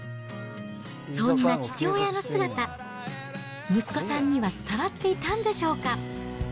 そんな父親の姿、息子さんには伝わっていたんでしょうか。